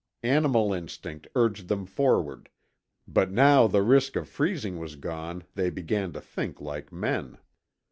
Animal instinct urged them forward, but now the risk of freezing was gone, they began to think like men.